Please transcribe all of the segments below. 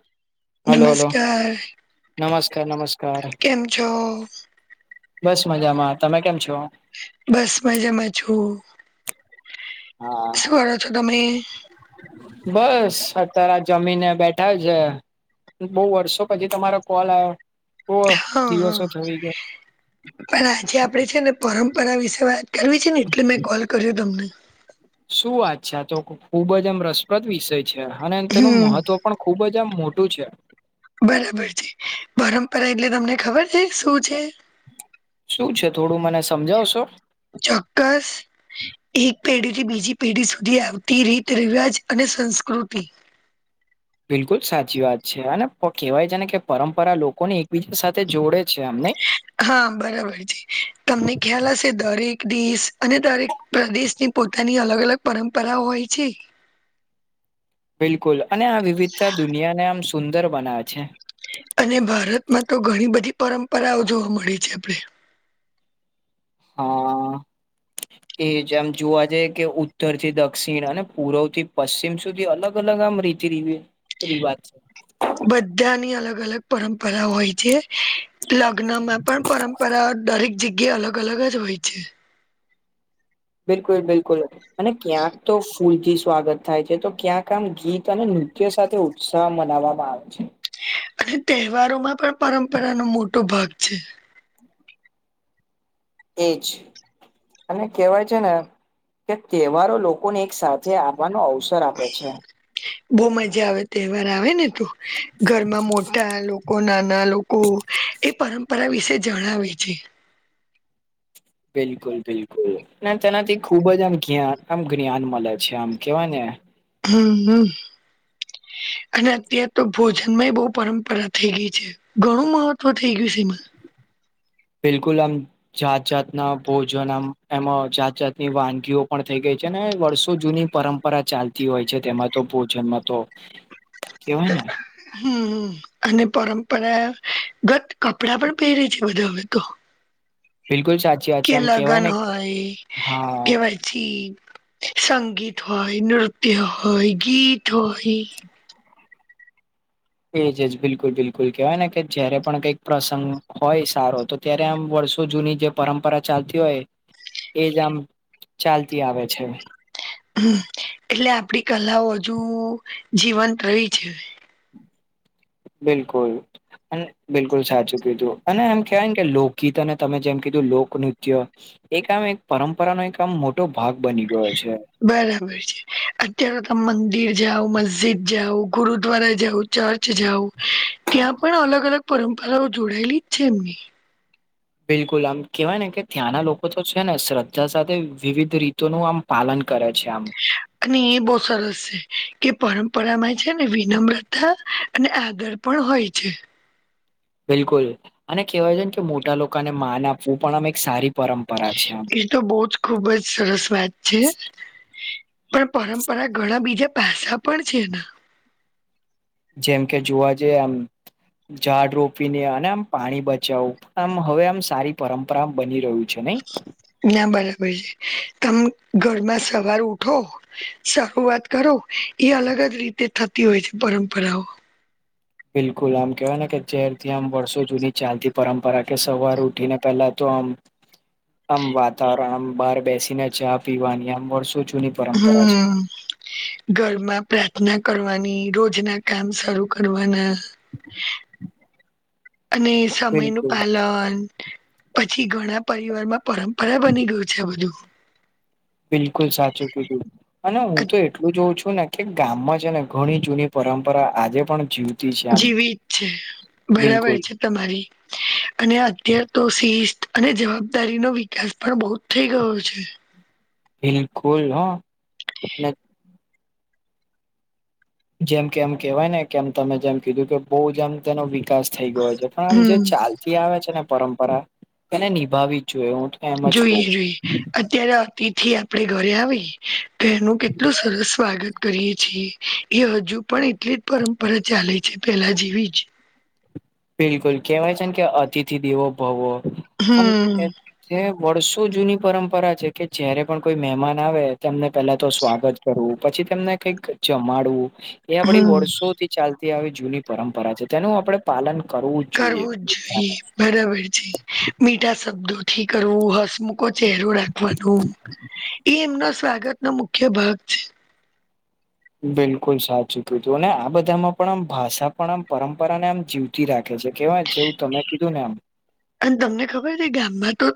[inaudible] Hello hello નમસ્કાર નમસ્કાર નમસ્કાર કેમ છો બસ મજામાં તમે કેમ છો બસમાં જમા છું શું કરો છો તમે બસ અતાર જમીને બેઠા છે બહુ વર્ષો પછી તમારો કોલ આવ્યો ઓ હા દિવસો હા થઈ ગયા પણ આજે આપડે છે ને પરંપરા વિશે વાત કરવી છે ને એટલે મેં કોલ કર્યો તમને શું વાત છે આ તો ખુબ જ એમ રસપ્રદ વિષય છે અને તેનું હમ મહત્વ પણ ખુબ જ આમ મોટું છે બરાબર છે પરંપરા એટલે તમને ખબર છે શું છે શું છે થોડું મને સમજાવશો ચોક્કસ એક પેઢી થી બીજી પેઢી સુધી આવતી રીત રિવાજ અને સંસ્કૃતિ બિલકુલ સાચી વાત છે અને કહેવાય છે ને કે પરંપરા લોકોને એકબીજા સાથે જોડે છે અમને હા બરાબર છે તમને ખ્યાલ હશે દરેક દિશ અને દરેક પ્રદેશની પોતાની અલગ અલગ પરંપરાઓ હોય છે બિલકુલ અને આ વિવિધતા દુનિયાને આમ સુંદર બનાવે છે અને ભારતમાં તો ઘણી બધી પરંપરાઓ જોવા મળે છે આપણે હા એ જ આમ જોવા જઈ કે ઉત્તર થી દક્ષિણ અને પૂર્વ થી પશ્ચિમ સુધી અલગ અલગ આમ રીતે ર એરી વાત છે બધાની અલગ અલગ પરંપરા હોય છે લગ્ન માં પણ પરંપરા દરેક જગ્યા અલગ અલગ જ હોય છે બિલકુલ બિલકુલ અને ક્યાંક તો ફૂલથી સ્વાગત થાય છે તો ક્યાંક આમ ગીત અને નૃત્ય સાથે ઉત્સાહ મનાવવામાં આવે છે અને તહેવારો માં પણ પરંપરાનોો મોટો ભાગ છે એજ અને કેહેવાય છે ને કે તહેવારો લોકોને એક સાથે આપવાનો અવસર આપે છે બહ મજા આવે તહેવાર આવે ને તો ઘરમાં મોટા લોકો લોકો નાના લોકો એ પરંપરા વિશે જણાવે છે બિલકુલ બિલકુલ અને તેનાથી ખુબ જ આમ જ આમ જ્ઞાન મળે છે આમ કેવા ને હા હમ અને અત્યાર તો ભોજન માં એ બહુ પરંપરા થઈ ગઈ છે ઘણું મહત્વ થઈ ગયું છે એમાં બિલકુલ અમ જાત જાતના ભોજનમ એમાં જાત જાતની વાનગીઓ પણ થઈ ગઈ છે ને વર્ષો જૂની પરંપરા ચાલતી હોય છે તેમાં તો ભોજનમાં તો કેવાય ને હમ અને પરંપરાગત કપડાં પણ પહેરે છે બધા હવે તો બિલકુલ સાચી વાત કે છે આમ લગન કેવાય ને હોય હા કેવાય થી સંગીત હોય નૃત્ય હોય ગીત હોય એજ જ બિલકુલ બિલકુલ કેહેવાય ને કે જયારે પણ કંઈક પ્રસંગ હોય સારો તો ત્યારે આમ વર્ષો જૂની જે પરંપરા ચાલતી હોય એ જ આમ ચાલતી આવે છે હમ એટલે આપડી કલાઓ હજુ જીવંત રહી છે બિલકુલ અને બિલકુલ સાચું કીધું અને એમ કહેવાય કે લોકગીત અને તમે જેમ કીધું લોકનૃત્ય એક આમ એક પરંપરાનોો એક આમ મોટો ભાગ બની ગયો છે બરાબર છે અત્યારે તમે મંદિર જાઓ મસ્જિદ જાઓ ગુરુદ્વારા જાઓ. ચર્ચ જાઉ ત્યાં પણ અલગ અલગ પરંપરાઓ જોડાયેલી જ છે એમની. બિલકુલ આમ કહેવાય ને કે ત્યાંના લોકો તો છે ને શ્રદ્ધા સાથે વિવિધ રીતોનું આમ પાલન કરે છે આમ. અને એ બહું સરસ છે કે પરંપરામાં છે ને વિનમ્રતા અને આદર પણ હોય છે. બિલકુલ અને કહેવાય છે ને કે મોટા લોકોને માન આપવું પણ આમ એક સારી પરંપરા છે આમ. એ તો બહુ જ ખુબ જ સરસ વાત છે. પણ પરંપરા ઘણા બીજા પાસા પણ છે. જેમ કે જોવા જઈએ આમ ઝાડ રોપીને અને આમ પાણી બચાવું આમ હવે આમ સારી પરંપરા બની રહ્યું છે નહી. ના બરાબર છે તમે ઘરમાં સવાર ઉઠો શરૂઆત કરો એ અલગ જ રીતે થતી હોય છે પરંપરાઓ. બિલકુલ આમ કેહેવાય ને કે [unintelligible] આમ વર્ષો જૂની ચાલતી પરંપરા કે સવાર ઉઠી ને પહેલા તો આમ આમ વાતાવરણ આમ બહાર બેસીને ચા પીવાની આમ વષો જુની હમ. ઘરમાં પ્રાર્થના કરવાની રોજ ના કામ શરૂ કરવાના. અને સમય નું બિલકુલ પાલન પછી ઘણા પરિવારમાં પરંપરા બની ગયું છે આ બધું. બિલકુલ સાચું કીધું અને હું તો એટલું જોઉં છું ને કે ગામમાં છે ને ઘણી જૂની પરંપરા આજે પણ જીવતી છે આમ. જેવી છે બરાબર બિલકુલ છે તમારી. અને અત્યાર તો શિસ્ત અને જવાબદારી નો વિકાસ પણ બહુ જ થઈ ગયો છે. બિલકુલ હો જેમ કે એમ કેહેવાય ને કેમ તમે જેમ કીધું કે બહુ જેમ તેનો વિકાસ થઈ ગયો છે પણ આમ જે હમ ચાલતી આવે છે ને પરંપરા એને નિભાવી જ જોઈએ હું એમ જ જોઈએ કવું. જોઈએ અત્યારે અતિથથી આપણેે ઘરે આવી તો એનું કેટલું સરસ સ્વાગત કરીએ છીએ. એ હજુ પણ એટલી જ પરંપરા ચાલે છે પેલા જેવી જ. બિલકુલ કેહેવાય છેને કે અતિથિ દેવો ભવો આમ હમ જે વર્ષો જૂની પરંપરા છે કે જયારે પણ કોઈ મહેમાન આવે તેમને પેલા તો સ્વાગત કરવું પછી તેમને કઈક જમાડવું એ આપડી હમ વર્ષોથી ચાલતી આવી જૂની પરંપરા છે તેનું આપણે પાલન જ જોઈએ કરવું જ જોઈએ બધાને બરાબર છે મીઠા શબ્દોથી કરવું હસમુખ ચહેરો રાખવાનો એ એમના સ્વાગત ન મુખ્ય ભાગ છે. બિલકુલ સાચુંક્યું હતું અને આ બધામાં પણ આમ ભાષા પણ આમ પરંપરાને આમ જીવ તી રાખે છે કેવાય છે જેવું તમે કીધું ને આમ અને તમને ખબર છે ગામમાં તો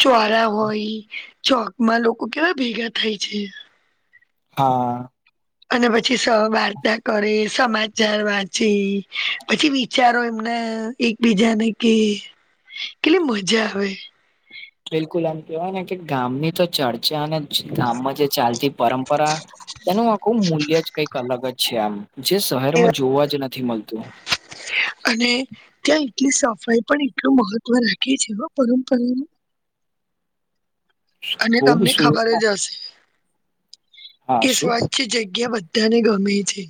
ચોરા હોય ચોકમાં લોકો કેવા ભેગા થાય છે. હા. અને પછી સહ વાર્તા કરે સમાચાર વાંચે પછી વિચારો એમને એક બીજાને કે કેટલી મજા આવે. બિલકુલ આમ કેવાય ને કે ગામની તો ચર્ચા અને ગામમાં જે ચાલતી પરંપરા એનું આખું મૂલ્ય જ કઈક અલગ જ છે આમ જે શહેરમાં જોવા જ નથી મળતું. અને ત્યાં એટલી સફાઈ પણ એટલું મહત્વ રાખી છે પરંપરાનું. અને ખૂબ તમને શું ખબર જ હશે હા કે શું સ્વચ્છ જગ્યા બધાને ગમે છે.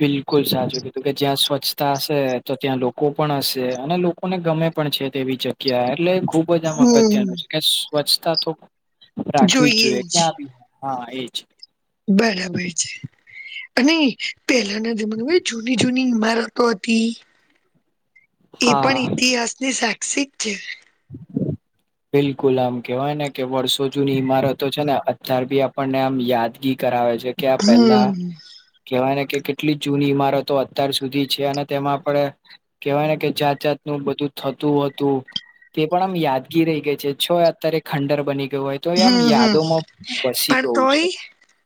બિલકુલ સાચું કીધું કે જ્યાં સ્વચ્છતા હશે તો ત્યાં લોકો પણ હશે અને લોકોને ગમે પણ છે તેવી જગ્યા એટલે ખૂબ ખૂબ જા હમ અગત્યનું છે કે સ્વચ્છતા તો રાખવી જ જોઈએ ક્યાં બ હો હા એજ બરાબર છે અને પેલાના જમાના જૂની જૂની ઈમારત હતી એ પણ હા ઈતિહાસની સાક્ષિક છે. બિલકુલ આમ કેવાય ને કે વર્ષો જૂની ઈમારતો છે ને અત્યાર ભી આપણને આમ યાદગી કરાવે છે. ક્યા પેલા હમ કેવાય ને કે કેટલી જૂની ઈમારતો અત્યાર સુધી છે અને તેમાં આપણે કેહેવાય ને કે જાત જાતનું બધું થતું હતું તે પણ આમ યાદ કી રહી ગઈ છે છ અત્યારે ખંડર બની ગયું હોય તો એ આમ હમ હમ યાદોમાં વસી પણ ગયું છે તોય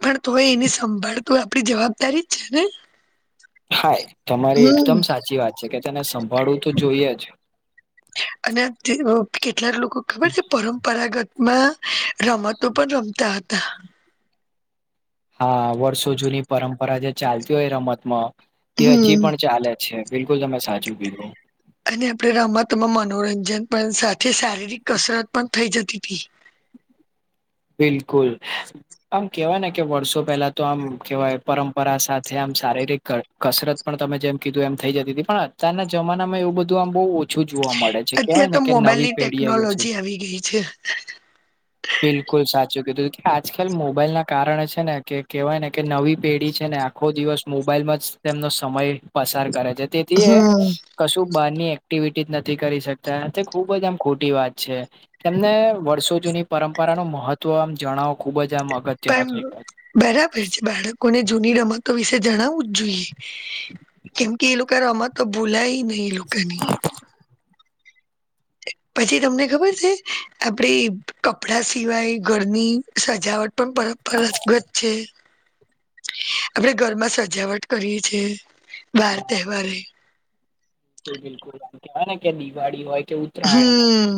પણ તોય એની સંભાળતું આપડી જવાબદારી જ છે ને હા તમારી હમ એકદમ સાચી વાત છે કે તેને સંભાળવું તો જોઈએ જ અને કેટલાક લોકો ખબર છે પરંપરાગત માં રમતો પણ રમતા હતા હા વર્ષો જૂની પરંપરા જે ચાલતી હોય રમતમાં તે હજી હમ પણ ચાલે. છે બિલકુલ તમે સાચું કીધું. અને આપણે રમતમાં મનોરંજન પણ સાથે શારીરિક કસરત પણ થઈ જતી હતી. બિલકુલ આમ કેહેવાય ને કે વર્ષો પહેલા તો આમ કેવાય પરંપરા સાથે, આમ શારીરિક કસરત પણ તમે જેમ કીધું એમ થઈ જતી તી, પણ અતારના જમાનામાં એવું બધું આમ બોવ ઓછું જોવા મળે છે, કેવાય અત્યારે તો ને કે નવી મોબાઈલની પેઢી આવી છે. ટેકનોલોજી ગઈ છે બિલ બિલકુલ સાચું કીધું કે આજકાલ મોબાઈલ ના કારણે છે ને કે કહેવાય ને કે નવી પેઢી છે ને આખો દિવસ મોબાઈલમાં જ તેમનો સમય પસાર કરે છે. તેથી એ હમ કશું બહારની એક્ટિવિટી નથી કરી શકતા. તે ખુબ જ આમ ખોટી વાત છે. તેમને વર્ષો જૂની પરંપરા નું મહત્વ આમ જણાવો ખુબ જ આમ અગત્ પણ બરાબર છે. બાળકોને જૂની રમતો વિશે જણાવવું જ જોઈએ. કેમ કે એ લોકો રમતો ભૂલાય નહી, એ લોકોની પછી તમને ખબર છે? આપડે કપડા સિવાય ઘરની સજાવટ પણ પરપરાંપરાગત છે. આપડે ઘરમાં સજાવટ કરીએ છીએ. બાર તહેવારે. બિલકુલ બિલકુલ આમ કેવાય ને કે દિવાળી હોય કે ઉત્તરાયણ હમ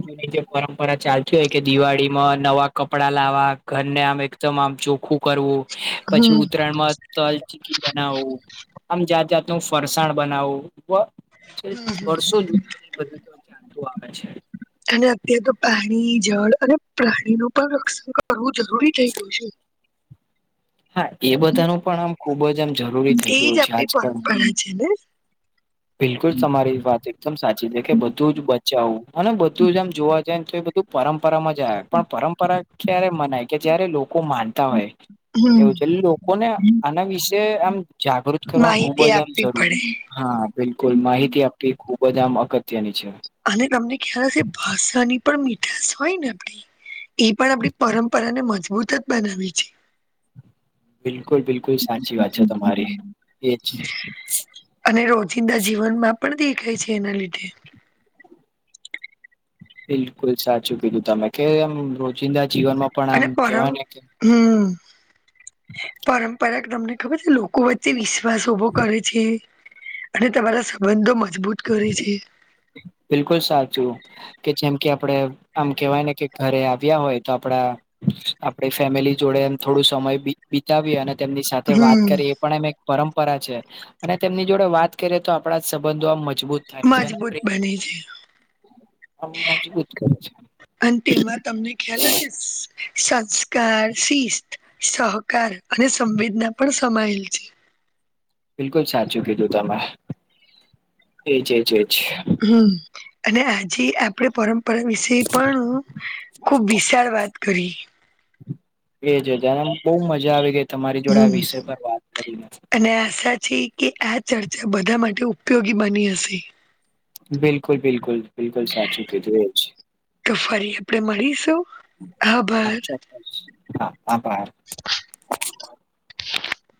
હોય [unintelligible] પરંપરા ચાલતી હોય કે દિવાળી માં નવા કપડા લાવવા, ઘરને આમ એકદમ આમ ચોખ્ખું કરવું. પછી હમ ઉત્તરાયણ માં તલ ચીકી બનાવું. આમ જાત - જાત નું ફરસાણ બનાવું. જે વર્ષો [unintelligible] બધું તો ચ્લતું આવે છે અને અત્ય્યારે તો પાણી, જળ અને પ્રાણી નું પણ રક્ષણ કરવું જરૂરી થઈ ગયું છે. હા એ બધાનું પણ આમ ખુબ જ આમ જરૂરી થઈ એજ ગયું છે આપડી આજકાલ પરંપરા છે ને? બિલકુલ તમારી વાત એકદમ સાચી છે, કે બધું જ બચાવું અને બધું જ આમ જોવા જાય તો એ તુ પરંપરામાં જ આવે પણ પરંપરા ક્યારે મનાય કે જય્યારે લોકો માનતા હોય. હમ એવું છે, એટલે લોકોને આના વિશે આમ જાગૃત કરવા ખુબ માહિતી જ આમ આપવી જરૂરી. પડે હા બિલકુલ. માહિતી આપવી ખુબ જ આમ અગત્યની છે. અને તમને ખ્યાલ હશે ભાષની પણ મીઠાશ હોય ને આપડી એ પણ આપણી પરંપરાને મજબૂત જ બનાવે છે. બિલકુલ બિલકુલ સાચી વાત છે તમારી. એ જ અને રોજિંદા જીવનમાં પણ દેખાય છે એના લીધે. બિલકુલ સાચું કીધું તમે કે એમ રોજિંદા જીવનમાં પણ અને આમ પરં કેવાય ને કે હમ પરંપરાગ તમને ખબર છે? લોકો વચ્ચે વિસ વાસ ઉભો કરે છે, અને તમારા સંબંધો મજબૂત કરે છે. બિલકુલ સાચું. કે જેમ કે આપડે આમ કેવાય ને કે ઘરે આવ્યા હોય, તો આપડા આપડે ફેમિલી જોડે એમ થોડું સમય બિતાવીએ અને તેમની સાથે વાત હમ કરીએ. પણ એમ એક પરંપરા છે, અને તેમની જોડે વાત કરીએ તો આપણા સંબંધો આમ મજબૂત થાય છે અને મજબૂત પ્રેમ બને છે. [unintelligible] મજબૂત કરે છે. અને તેમાં તમને ખ્યાલ હશે સંસ્કાર, શિસ્ત સહકાર અને સંવેદના પણ સમાયેલ છે. બિલકુલ સાચું કીધું તમે. એજ એજેજેચ હમ અને આજી આપ આપણે પરંપરા વિશે પાણું ખુબ વિશાળ વાત કરી. એ જજ બહુ મજા આવી ગઈ તમારી જોડે આ હમ વિષય પર વાત કરીને. અને આશા જી કે આ ચર્ચા બધા માટે ઉપયોગી બની હશે. બિલકુલ બિલકુલ બિલકુલ સાચું કીધું જ. તો ફરી આપણેે મળીશું? આભાર હા ચોક્કસ હા આબાર. [inaudible]